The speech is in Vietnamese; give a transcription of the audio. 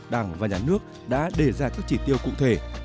đảng và nhà nước đã đề ra các chỉ tiêu cụ thể